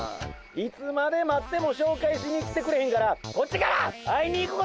いつまで待ってもしょうかいしに来てくれへんからこっちから会いに行くことにしたわ！